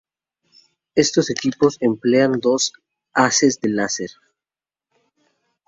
Estos equipos emplean dos haces de láser.